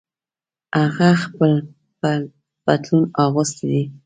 هغه خپل پتلون اغوستۍ دي